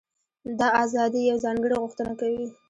دا ازادي یوه ځانګړې غوښتنه کوي.